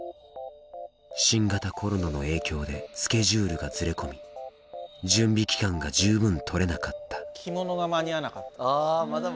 新型コロナの影響でスケジュールがずれ込み準備期間が十分取れなかった着物が間に合わなかったんですよね。